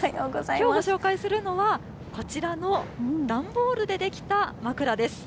きょうご紹介するのは、こちらの段ボールで出来た枕です。